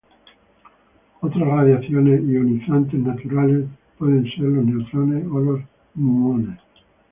Otras radiaciones ionizantes naturales pueden ser los neutrones o los muones.